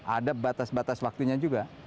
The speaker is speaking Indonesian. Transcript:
ada batas batas waktunya juga